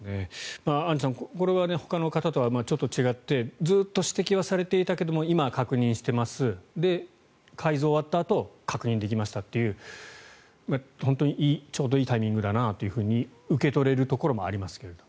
アンジュさん、これはほかの方とはちょっと違ってずっと指摘はされていたけど今、確認してますで、改造が終わったあと確認できましたっていう本当にちょうどいいタイミングだなと受け取れるところもありますが。